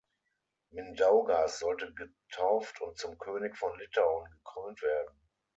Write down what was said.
Mindaugas sollte getauft und zum König von Litauen gekrönt werden.